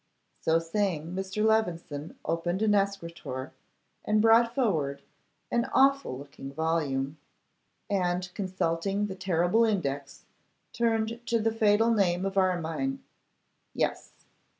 So saying, Mr. Levison opened an escritoire, and brought forward an awful looking volume, and, consulting the terrible index, turned to the fatal name of Armine. 'Yes!